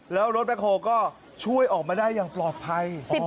แล้วรถแบ็คโฮก็ช่วยออกมาได้อย่างปลอดภัย